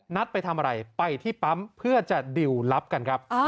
ไปทำอะไรไปที่ปั๊มเพื่อจะดิวลลับกันครับ